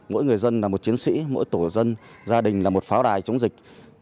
mỗi người dân là một chiến sĩ mỗi tổ dân gia đình là một pháo đài chống dịch